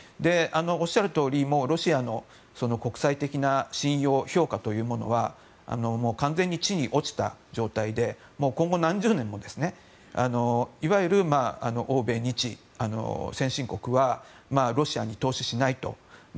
おっしゃるとおり、ロシアの国際的な信用、評価というものはもう完全に地に落ちた状態で今後、何十年もいわゆる欧米日、先進国はロシアに投資しないと。